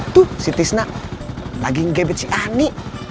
tuh si tisnak lagi ngebet si ani